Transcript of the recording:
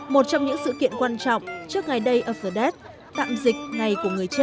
một trong những sự kiện quan trọng trước ngày đây ở phờ đáy